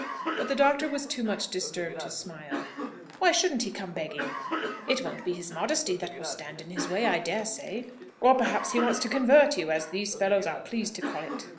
But the doctor was too much disturbed to smile. "Why shouldn't he come begging? It won't be his modesty that will stand in his way, I daresay. Or perhaps he wants to 'convert' you, as these fellows are pleased to call it!"